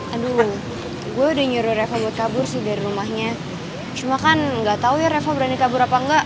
aduh gua udah nyuruh reva buat kabur sih dari rumahnya cuma kan gak tau ya reva berani kabur apa engga